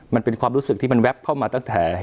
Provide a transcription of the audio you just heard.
มันเป็นความรู้สึกที่มันแป๊บเข้ามาตั้งแต่